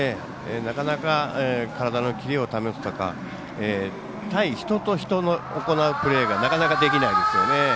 なかなか、体のキレを保つとか対人と人で行うプレーがなかなかできないんですよね。